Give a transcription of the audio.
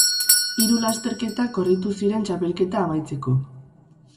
Hiru lasterketa korritu ziren txapelketa amaitzeko.